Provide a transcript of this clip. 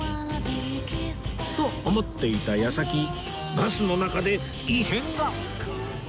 と思っていた矢先バスの中で異変が！